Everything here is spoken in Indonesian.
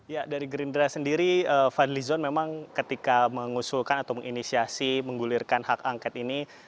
ya dari gerindra sendiri fadli zon memang ketika mengusulkan atau menginisiasi menggulirkan hak angket ini